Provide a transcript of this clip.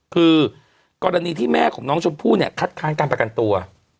คือกรณีที่แม่ของน้องชมพู่เนี่ยคัดค้านการประกันตัว